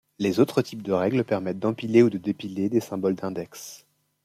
Les autres types de règles permettent d'empiler ou de dépiler des symboles d'index.